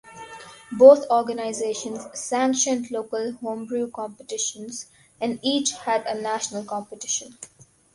Both organizations sanctioned local homebrew competitions, and each had a national competition.